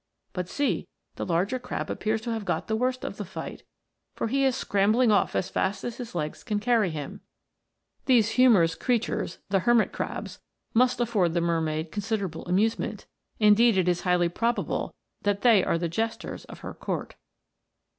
But see, the larger crab appears to have got the worst of the fight, for he is scrambling off as fast as his legs can carry him. These humorous creatures must afford the mermaid considerable amusement, indeed, it is * The Spider Crab. THE MERMAID'S HOME. 123 highly probable that they are the jesters of her court.